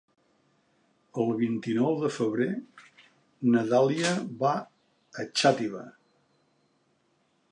El vint-i-nou de febrer na Dàlia va a Xàtiva.